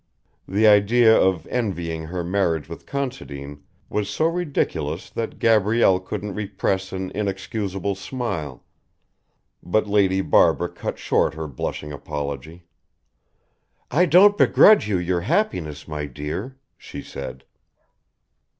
The idea of envying her marriage with Considine was so ridiculous that Gabrielle couldn't repress an inexcusable smile, but Lady Barbara cut short her blushing apology. "I don't begrudge you your happiness, my dear," she said.